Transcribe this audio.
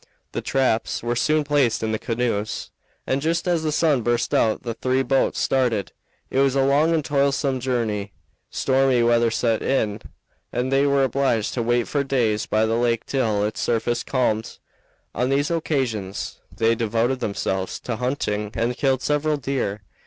The traps were soon placed in the canoes, and just as the sun burst out the three boats started. It was a long and toilsome journey. Stormy weather set in, and they were obliged to wait for days by the lake till its surface calmed. On these occasions they devoted themselves to hunting and killed several deer.